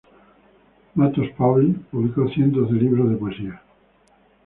Matos Paoli, publicó cientos de libros de poesía.